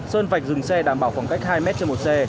sơn vạch dừng xe đảm bảo khoảng cách hai mét trên một xe